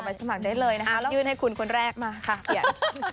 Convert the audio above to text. สมัครได้เลยนะคะยื่นให้คุณคนแรกมาค่ะเปลี่ยน